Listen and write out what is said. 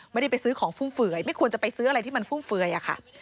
ไม่ได้ไปซื้อของฟุ่มเฟื่อยไม่ควรจะไปซื้ออะไรที่มันฟุ่มเฟือยอะค่ะ